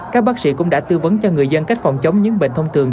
các bác sĩ cũng đã tư vấn cho người dân cách phòng chống những bệnh thông thường